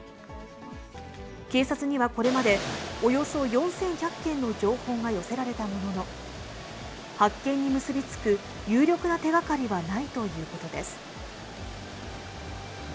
警察にはこれまで、およそ４１００件の情報が寄せられたものの、発見に結び付く有力な手がかりはないということです。